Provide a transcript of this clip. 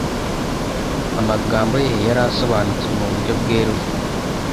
Amagambo Ye yari asobanutse mu buryo bweruye